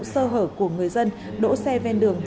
sơ hở của người dân đỗ xe ven đường